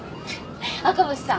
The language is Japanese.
赤星さん